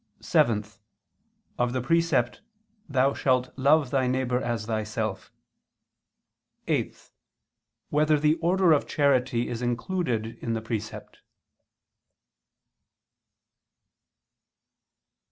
(7) Of the precept: "Thou shalt love thy neighbor as thyself"; (8) Whether the order of charity is included in the precept?